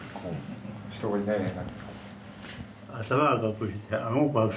人がいない間に。